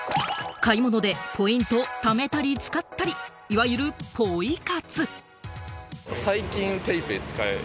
買い物でポイントを貯めたり使ったりする、いわゆるポイ活。